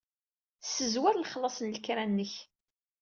Ssezwer lexlaṣ n lekra-nnek.